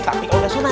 tapi kalau gak sunat